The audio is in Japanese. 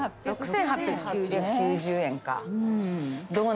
６，８９０円か。